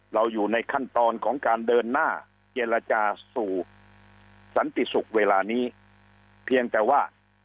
อยู่ในขั้นตอนของการเดินหน้าเจรจาสู่สันติศุกร์เวลานี้เพียงแต่ว่า